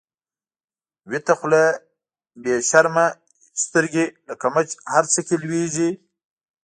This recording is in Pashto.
ويته خوله بی شرمه شرګی، لکه مچ هر څه کی لويږی